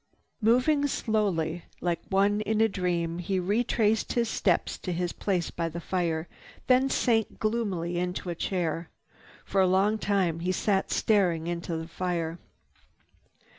Moving slowly, like one in a dream, he retraced his steps to his place by the fire, then sank gloomily into a chair. For a long time he sat staring into the fire.